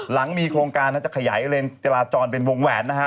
หลังมีโครงการจะขยายเลนจราจรเป็นวงแหวนนะฮะ